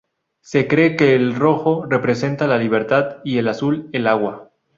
Se cree que el rojo representa la libertad y el azul, el agua.